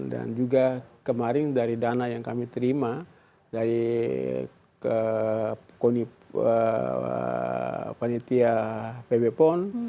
dan juga kemarin dari dana yang kami terima dari pon